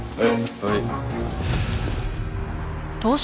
はい。